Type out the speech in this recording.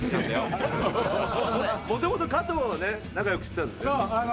もともと加藤がね仲良くしてたんだよね？